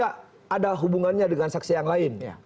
ada hubungannya dengan saksi yang lain